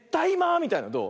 みたいのどう？